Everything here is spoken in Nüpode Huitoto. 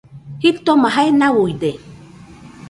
Jitoma jae nauide